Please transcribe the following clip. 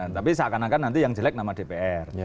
tapi seakan akan nanti yang jelek nama dpr